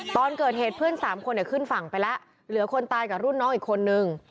ตอนเกิดเหตุเพื่อนสามคนขึ้นฝั่งไปแล้วเหลือคนตายกับรุ่นน้องอีกคนนึง